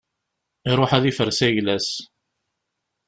Iruḥ ad yefres ayla-s.